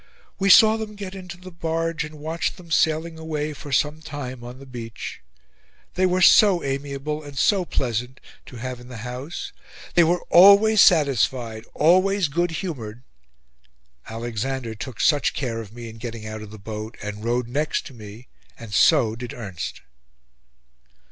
"We saw them get into the barge, and watched them sailing away for some time on the beach. They were so amiable and so pleasant to have in the house; they were ALWAYS SATISFIED, ALWAYS GOOD HUMOURED; Alexander took such care of me in getting out of the boat, and rode next to me; so did Ernst."